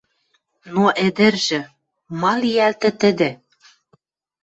Но ӹдӹржӹ... Ма лиӓлтӹ тӹдӹ?